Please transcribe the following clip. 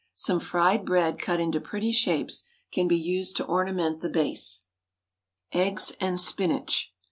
Some fried bread cut into pretty shapes can be used to ornament the base. EGGS AND SPINACH.